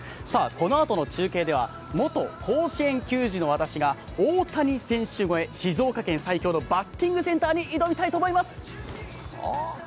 このあとの中継では元甲子園球児の私が大谷選手超え、静岡県最強のバッティングセンターに井戸みたいと思います。